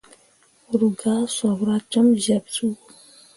Ru gah sopra com zyeɓsuu.